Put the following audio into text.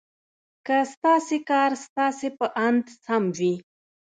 که ستاسې کار ستاسې په اند سم وي.